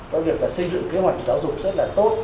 có việc xây dựng kế hoạch giáo dục rất là tốt